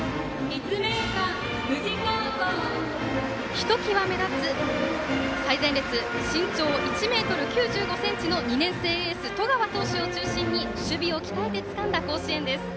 ひときわ目立つ最前列、身長１ｍ９５ｃｍの２年生エース、十川投手を中心に守備を鍛えてつかんだ甲子園です。